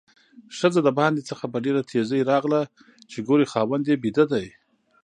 ښځه د باندې څخه په ډېره تیزۍ راغله چې ګوري خاوند یې ويده ده؛